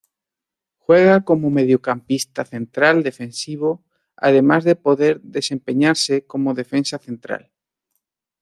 Juega como mediocampista central defensivo además de poder desempeñarse como defensa central.